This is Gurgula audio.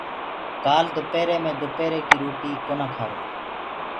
ڪآل دُپيري مي دُپري ڪي روٽي ڪونآ کآرو۔